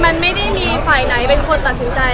มันไม่ได้มีฝ่ายไหนเป็นคนตัดสินใจ